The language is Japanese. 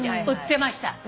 売ってました。